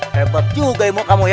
hebat juga emang kamu ya